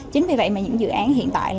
chính vì vậy mà những dự án hiện tại